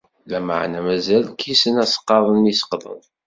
Lameɛna mazal kkisen asqaḍ-nni i seqḍen.